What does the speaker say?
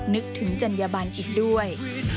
นึกถึงจัญญบันอีกด้วย